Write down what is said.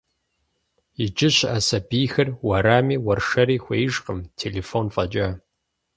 Иджы щыӏэ сабийхэр уэрами уэршэри хуеижкъым, телефон фӏэкӏа.